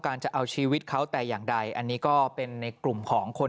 จะเอาชีวิตเขาแต่อย่างใดอันนี้ก็เป็นในกลุ่มของคน